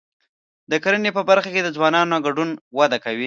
د کرنې په برخه کې د ځوانانو ګډون وده کوي.